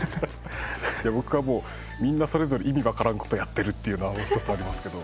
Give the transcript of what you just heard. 僕はもうみんなそれぞれ意味わからん事やってるっていうのはもう一つありますけど。